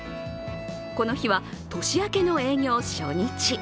この日は、年明けの営業初日。